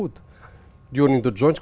trong một thị trấn